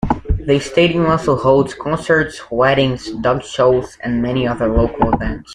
The stadium also hosts concerts, weddings, dog shows, and many other local events.